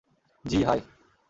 জ্বি, হাই!